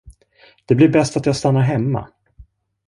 Det blir bäst, att jag stannar hemma.